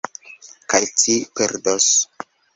Kaj ci perdos.